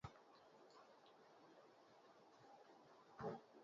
Aurtengo edizioko lehiakideen radiografia egin digu partaide ohiak.